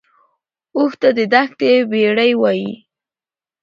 اوښ ته د دښتې بیړۍ وایي